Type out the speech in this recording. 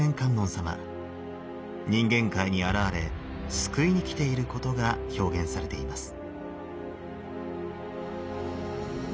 人間界に現れ救いに来ていることが表現されています。